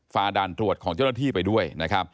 ฟาดานตรวจของเจ้าหน้าที่ไปด้วย